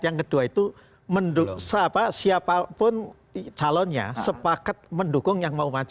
yang kedua itu siapapun calonnya sepakat mendukung yang mau maju